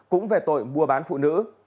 cũng về tội mua bán phụ nữ